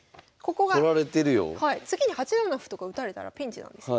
次に８七歩とか打たれたらピンチなんですよ。